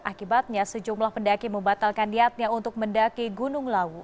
akibatnya sejumlah pendaki membatalkan niatnya untuk mendaki gunung lawu